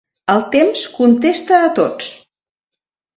El temps contesta a tots.